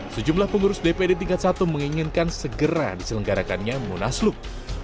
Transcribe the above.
sejumlah pengurus dpd tingkat satu menginginkan segera diselenggarakannya munaslup